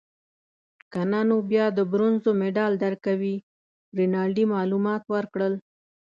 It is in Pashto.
که نه نو بیا د برونزو مډال درکوي. رینالډي معلومات ورکړل.